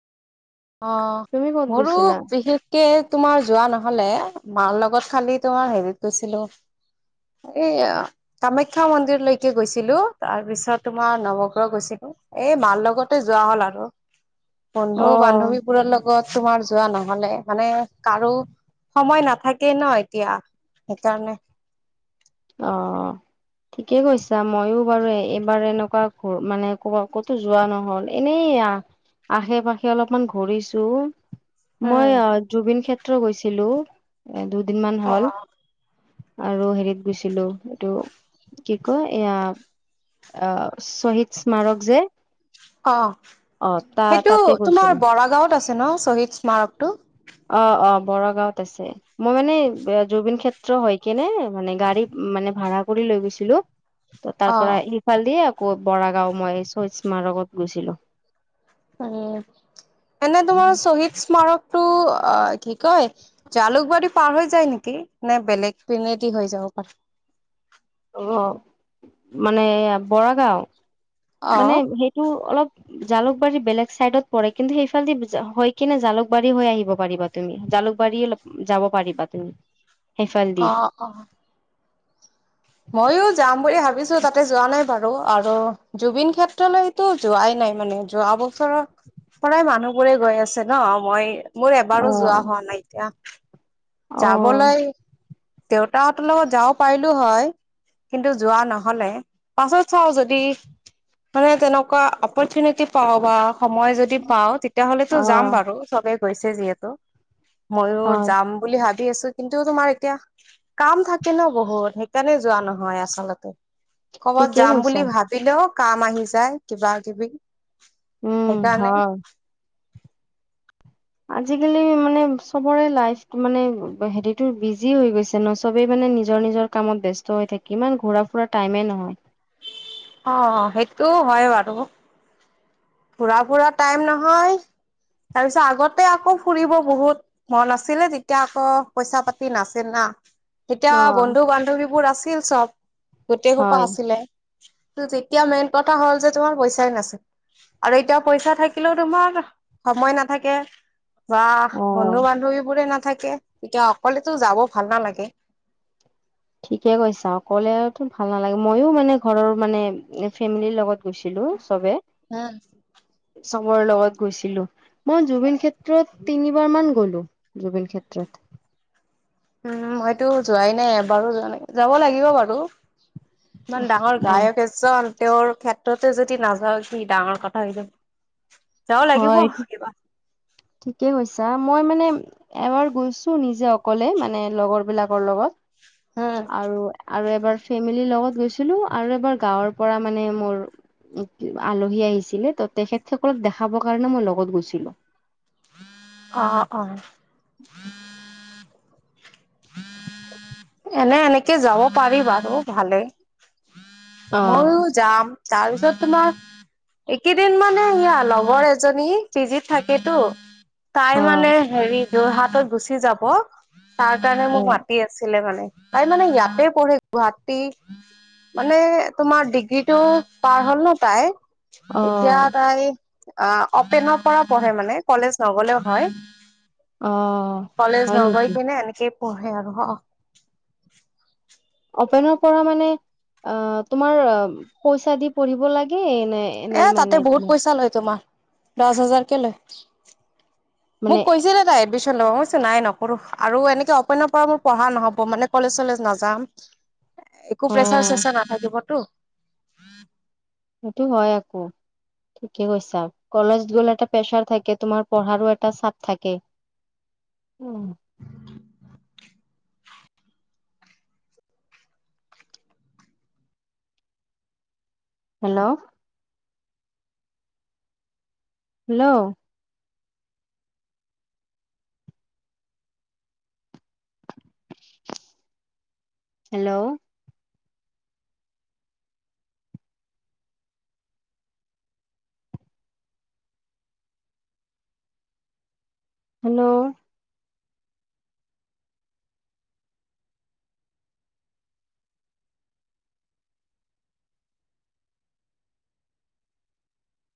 অ তুমি ক'ত মোৰো গৈছিলা? বিশেষ কে তোমাৰ যোৱা নহলে, মাৰ লগত খালি তোমাৰ হেৰিত গৈছিলো এইয়া কামাখ্যা মন্দিৰলৈকে গৈছিলো, তাৰপিছত তোমাৰ নৱগ্ৰহ গৈছিলো। এই মাৰ লগতে যোৱা হ'ল আৰু বন্ধু অ', বোৰৰ লগত তোমাৰ যোৱা নহলে মানে কাৰো সময় নাথাকেই ন এতিয়া সেইকাৰণে। অ। ঠিকে কৈছা মইও বাৰু এইবাৰ এনেকুৱা ঘ মানে ক' ক'তো যোৱা নহ'ল। এনেই আ আশে পাশে অলপমান ঘূৰিছো। উম মই অ জুবিন ক্ষেত্ৰ গৈছিলো, এ দুদিনমান হ'ল। অ', আৰু হেৰিত গৈছিলো এইটো কি কয় এইয়া অ শ্বহীদ স্মাৰক যে অ অ' তা সেইটো তাতে তোমাৰ গৈছিলো। বৰা গাঁৱত আছে ন শ্বহীদ স্মাৰকটো অ অ বৰৰাগাঁৱত আছে মই মানে জুবিন ক্ষেত্ৰ হয় কেনে মানে গাড়ী মানে ভাড়া কৰি লৈ গৈছিলো ত তাৰ পৰা অ', ইফাল দিয়ে আকৌ বৰা গাঁও মই শহদ স্মাৰকত গৈছিলো উ এনে তোমাৰ শ্বহীদ স্মাৰকটো অ কি কয় জালুকবাৰী পাৰ হৈ যায় নেকি নে বেলেগ পিনেদি হৈ যাব পাৰ অ মানে বৰা গাওঁ অ মানে সেইটো অলপ জালুকবাৰী বেলেগ চাইডত পৰে কিন্তু সেইফালেদি হৈ কিনে জালুকবাৰী হৈ আহিব পাৰিবা তুমি জালুকবাৰীয়ে যাব পাৰিবা তুমি সেইফাল দি অহ অ মইো যাম বুলি ভাবিছো তাতে যোৱা নাই বাৰু আৰু জুবিন ক্ষেত্ৰলৈ তটো যোৱাই নাই মানে যোৱা বছৰৰ প্ৰায় মানুহবোৰে গৈ আছে ন মই মোৰ অ এবাৰো যোৱা হোৱা নাই এতিয়া যাবলৈ দেউতাহঁতৰ লগত যাও পাৰিলো হয় কিন্তু যোৱা নহলে পাছত চাওঁ যদি মানে তেনেকুৱা অপৰচুনিতি পাওঁ বা সময় যদি যদি পাওঁ তেতিয়াহলেতো যাম বাৰু চবে গৈছে যিহেতু মইও হয় যাম বুলি ভাবি আছো কিন্তু তোমাৰ এতিয়া কাম থাকে ন বহুত সেইকাৰণে যোৱা নহয় আচলতে কৰ'বাত ঠিকেই যাম কৈছা বুলি ভাবি বিলেও কাম আহি যায় কিবা কিবি উম সেইকাৰণে হয় আজিকালি মানে চবৰে লাইফ মানে হেৰিতো বিজি হৈ গৈছে যে সবেই মানে নিজৰ নিজৰ কামত ব্যস্ত হৈ থাকি ইমান ঘূৰা ফুৰা টাইমে নহয় অ সেইটোও হয় বাৰু ফুৰা ফুৰা টাইম নহয় তাৰপিছত আগতে আকৌ ফুৰিব বহুত মন আছিলে তেতিয়া আকৌ পইচা পাতি নাছিল না এতিয়া অ বন্ধু বান্ধৱীবোৰ আছিল চব গোটেই হয় সোপা আছিলে যেতিয়া মেইন কথা হ'ল যে তোমাৰ পইচাই নাছিল আৰু এতিয়া পইচা থাকিলেও তোমাৰ সময় নাথাকে বা অ বন্ধু বান্ধৱী বোৰে নাথাকে তেতিয়া অকলেতো যাব ভাল নালাগে ঠিকে কৈছা অকলেতো ভাল নালাগে মইও মানে ঘৰৰ মানে ফেমিলিৰ লগত গৈছিলো চবে উম চবৰ লগত গৈছিলো মই জুবিন ক্ষেত্ৰত তিনিবাৰ মান গলো জুবিন ক্ষেত্ৰত উম মইতো যোৱাই নাই এবাৰো যোৱা নাই যাব লাগিব বাৰু ইমান ডাঙৰ অ গায়ক এ চ তেওঁৰ ক্ষেত্ৰতে যদি নাযাওঁ কি ডাঙৰ কথা সৈ যা হয় ঠিকেই কৈছা মই মানে এবাৰ গৈছো নিজে অকলে মানে লগৰ বিলাকৰ লগত উম আৰু আৰু এবাৰ ফেমিলিৰ লগত গৈছিলো আৰু এবাৰ গাঁৱৰ পৰা মানে মোৰ আলহী আহিছিলে ত তেখেতসকলক দেখাবৰ কাৰণে মই লগত গৈছিলো অ অ এনে এনেকে যাব পাৰি বাৰু ভালে অ ময়ও যাম তাৰপিছত তোমাৰ এইকেইদিন মানে সেয়া লগৰ এজনী পিজিত থাকেতো তাই অ মানে হেৰি যোৰহাটত গুচি যাব তাৰ কাৰণে অ মোক মাতি আছে ছিলে মানে তাই মানে ইয়াতে পঢ়ে গুৱাহাটী মানে তোমাৰ ডিগ্ৰীতটো পাৰ হ'ল ন তাই এতিয়া অ তাই অ অপেনৰ পৰা পঢ়ে মানে কলেজ নগলেও হয় অ', কলেজ হয় নগৈ নেকি? পিনে এনেকেই পঢ়ে আৰু অ অপেনৰ পৰা মানে অ তোমাৰ পইচা দি পঢ়িব লাগে নে এ এনেই তাতে মানে বহুত তোমাৰ পইচা লয় তোমাৰ দচ হাজাৰকে লয় মোক মানে কৈছিলে তাই এডমিশ্যন ল' মইকচো নাই নকৰোঁ আৰু এনেকৈ অপেনৰ পৰা মোৰ পঢ়া নহ'ব মানে কলেজ চলেজ নাযাম একো প্ৰেচাৰ অ', চেচাৰ নাথাকিবতো সেইটো হয় আকৌ ঠিকে কৈছা কলেজ গ'লে এটা প্ৰেচাৰ থাকে তোমাৰ পঢ়াৰো এটা চাপ থাকে উম হেল্ল' হেল্ল' হেল্ল' হেল্ল'